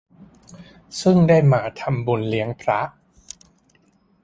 ซึ่งได้มาทำบุญเลี้ยงพระ